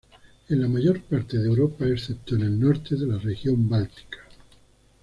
En la mayor parte de Europa, excepto en el norte de la región báltica.